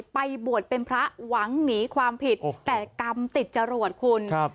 ไปบวชเป็นพระหวังหนีความผิดแต่กรรมติดจรวดคุณครับ